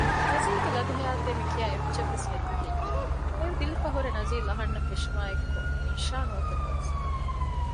ނަޒީލްގެ ލަދު ހަޔާތޭ މިކިޔާ އެއްޗެއްވެސް ނެތީ ހެއްޔެވެ؟ ހެވިދިލިފައި ހުރެ ނަޒީލް އަންނަން ފެށުމާއެކު އިންޝާ ނުތަނަވަސްވި